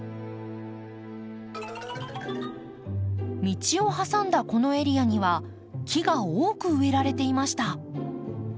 道を挟んだこのエリアには木が多く植えられていました。